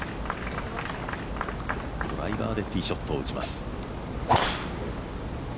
ドライバーでティーショットを打ちます。